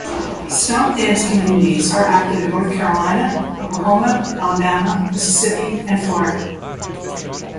Stomp Dance communities are active in North Carolina, Oklahoma, Alabama, Mississippi, and Florida.